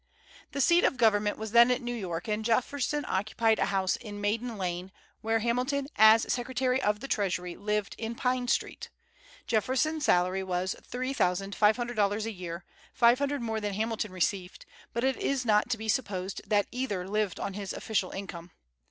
The seat of government was then at New York, and Jefferson occupied a house in Maiden Lane, while Hamilton, as Secretary of the Treasury, lived in Pine street. Jefferson's salary was $3,500 a year, five hundred more than Hamilton received; but it is not to be supposed that either lived on his official income.